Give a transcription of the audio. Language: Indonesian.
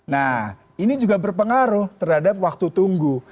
nah ini juga berpengaruh terhadap waktu tunggu